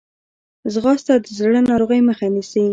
ځغاسته د زړه ناروغۍ مخه نیسي